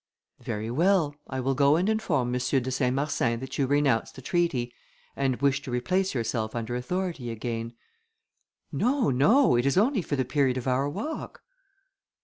"Very well! I will go and inform M. de Saint Marsin, that you renounce the treaty, and wish to replace yourself under authority again." "No! no! it is only for the period of our walk."